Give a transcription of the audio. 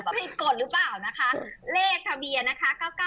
ก็ไงกดรึเปล่าเลขทะเบียร์นะคะ๙๙๑๑